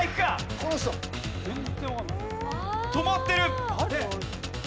止まってる！